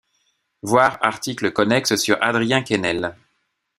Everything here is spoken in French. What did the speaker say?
Voir article connexe sur Adrien Quesnel.